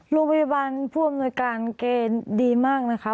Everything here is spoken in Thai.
โรงพยาบาลผู้อำนวยการเกณฑ์ดีมากนะคะ